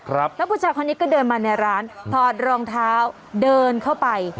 แล้วผู้ชายคนนี้ก็เดินมาในร้านถอดรองเท้าเดินเข้าไป